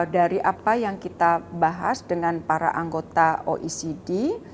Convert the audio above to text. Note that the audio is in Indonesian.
dari apa yang kita bahas dengan para anggota oecd